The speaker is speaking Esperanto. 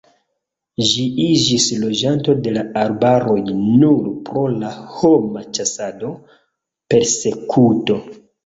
Ĝi iĝis loĝanto de la arbaroj nur pro la homa ĉasado, persekuto.